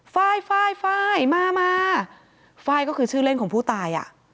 ฟ้ายฟ้ายฟ้ายมามาฟ้ายก็คือชื่อเล่นของผู้ตายอะ